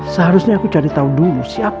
seharusnya aku cari tahu dulu siapa